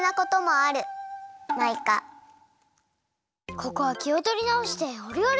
ここはきをとりなおしておりょうりしましょう！